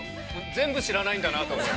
◆全部知らないんだなと思って。